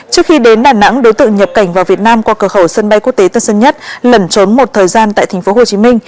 trước khi đến đà nẵng đối tượng nhập cảnh vào việt nam qua cửa khẩu sân bay quốc tế tân sơn nhất lẩn trốn một thời gian tại tp hcm